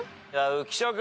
浮所君。